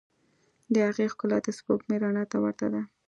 د هغې ښکلا د سپوږمۍ رڼا ته ورته ده.